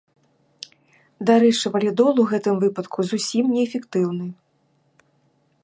Дарэчы, валідол у гэтым выпадку зусім неэфектыўны.